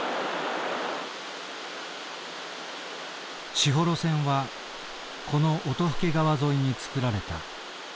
士幌線はこの音更川沿いに造られた。